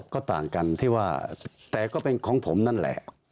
ก็ต่างกันที่ว่าแต่ก็เป็นของผมนั่นแหละ